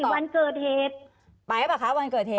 วันเกิดเหตุไปหรือเปล่าคะวันเกิดเหตุ